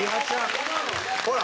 ほら！